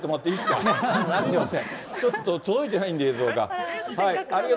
すみません、ちょっと届いてないんで、映像が。